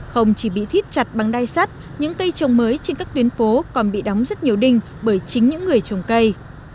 không chỉ bị thiết chặt bằng đai sắt những cây trồng mới trên các tuyến phố còn bị đóng rất nhiều đinh bởi chính những người trồng cây